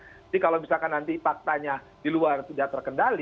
jadi kalau nanti faktanya di luar tidak terkendali